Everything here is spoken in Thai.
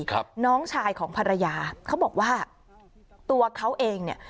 ครับน้องชายของภรรยาเขาบอกว่าตัวเขาเองเนี่ย